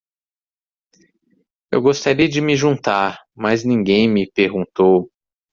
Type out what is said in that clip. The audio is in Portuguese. Eu gostaria de me juntar, mas ninguém me perguntou.